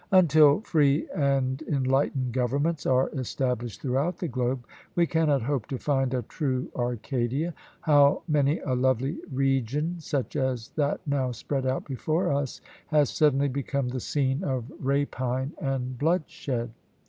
"Until free and enlightened governments are established throughout the globe, we cannot hope to find a true Arcadia. How many a lovely region such as that now spread out before us has suddenly become the scene of rapine and bloodshed!"